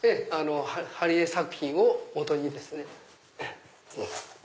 貼り絵作品をもとにですね。